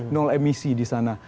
nol emisi di sana